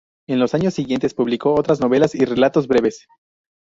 En los años siguientes publicó otras novelas y relatos breves.